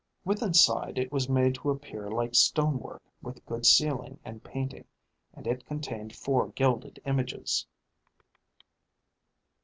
Withinside it was made to appear like stone work with good ceiling and painting, and it contained four gilded images.